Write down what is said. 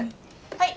はい。